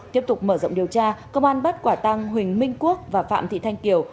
tiếp tục mở rộng điều tra công an bắt quả tăng huỳnh minh quốc và phạm thị thanh kiều